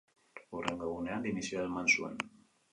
Hurrengo egunean, dimisioa eman zuen.